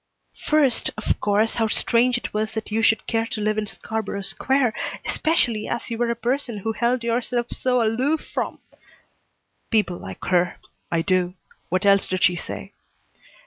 "First, of course, how strange it was that you should care to live in Scarborough Square, especially as you were a person who held yourself so aloof from " "People like her. I do. What else did she say?"